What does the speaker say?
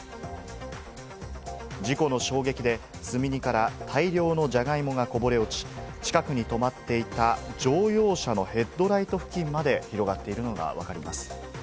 事故の衝撃で積み荷から大量のじゃがいもがこぼれ落ち、近くに止まっていた乗用車のヘッドライト付近まで広がっているのがわかります。